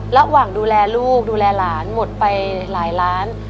ระหว่างดูแลลูกดูแลหลานหมดไปหลายล้าน